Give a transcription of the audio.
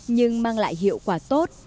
nhưng mang lại hiệu quả tốt